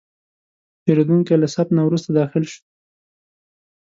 پیرودونکی له صف نه وروسته داخل شو.